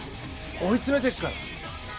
追い詰めていくから。